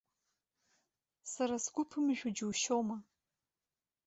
Сара сгәы ԥымжәо џьушьома?